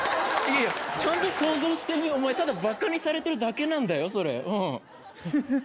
ちゃんと想像してみ、お前、ただばかにされてるだけなんだよ、ふふふっ。